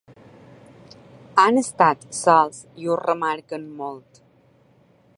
Han estat sols i ho remarquen molt.